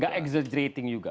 tidak mengeksagerasi juga